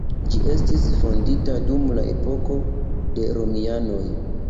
Ĝi estis fondita dum la epoko de romianoj.